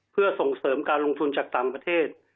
เพื่อส่งเสริมการลงทุนจากต่างประเทศ